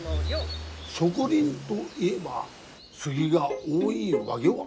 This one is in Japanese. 植林どいえばスギが多いわげは？